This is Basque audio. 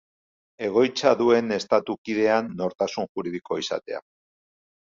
Egoitza duen estatu kidean nortasun juridikoa izatea.